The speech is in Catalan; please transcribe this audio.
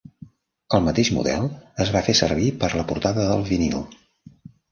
El mateix model es va fer servir per la portada del vinil.